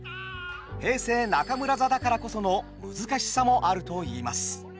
平成中村座だからこその難しさもあるといいます。